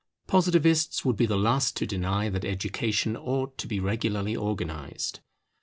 Positivists would be the last to deny that education ought to be regularly organized.